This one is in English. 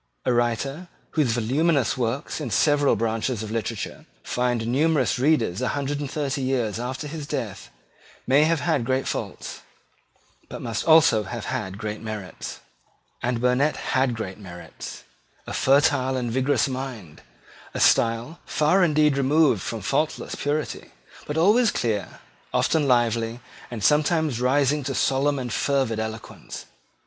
A writer, whose voluminous works, in several branches of literature, find numerous readers a hundred and thirty years after his death, may have had great faults, but must also have had great merits: and Burnet had great merits, a fertile and vigorous mind, and a style, far indeed removed from faultless purity, but always clear, often lively, and sometimes rising to solemn and fervid eloquence.